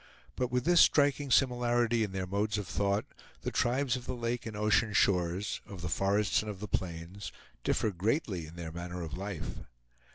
But with this striking similarity in their modes of thought, the tribes of the lake and ocean shores, of the forests and of the plains, differ greatly in their manner of life.